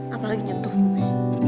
apalagi nyentuh gue